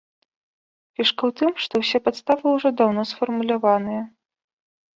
Фішка ў тым, што ўсе падставы ўжо даўно сфармуляваныя.